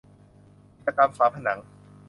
จิตกรรมฝาผนัง